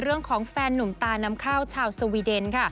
เรื่องของแฟนหนุ่มตาน้ำข้าวชาวสวีเดนค่ะ